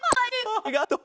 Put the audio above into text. ありがとう。